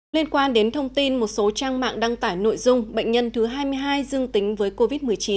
liên quan đến thông tin một số trang mạng đăng tải nội dung bệnh nhân thứ hai mươi hai dương tính với covid một mươi chín